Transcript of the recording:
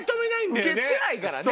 受け付けないからね